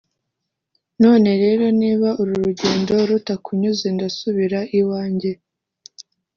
none rero niba uru rugendo rutakunyuze, ndasubira iwanjye.